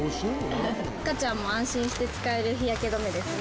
赤ちゃんも安心して使える日焼け止めですね。